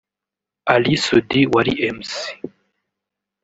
Ally Soudi wari Mc